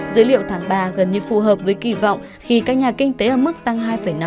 dữ liệu tháng ba gần như phù hợp với kỳ vọng khi các nhà kinh tế ở mức tăng hai năm